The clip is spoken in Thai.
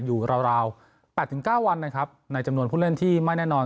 อยู่ราว๘๙วันนะครับในจำนวนผู้เล่นที่ไม่แน่นอน